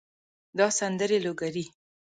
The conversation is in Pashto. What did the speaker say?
دا سندرې لوګري